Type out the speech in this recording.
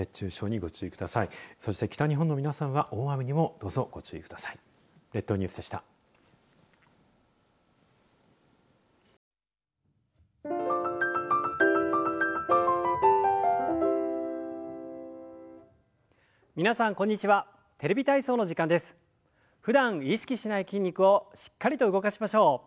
ふだん意識しない筋肉をしっかりと動かしましょう。